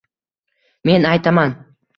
Men aytaman.